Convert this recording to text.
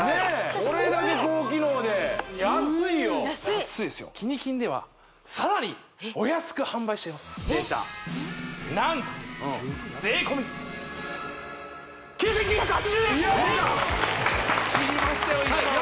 これだけ高機能で安いよ「キニ金」ではさらにお安く販売しちゃいますでた何と税込９９８０円でた切りましたよ